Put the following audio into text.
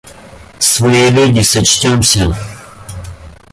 Свои люди сочтёмся!